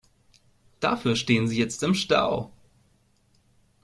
Dafür stehen sie jetzt im Stau.